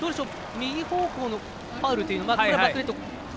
右方向のファウルというのは。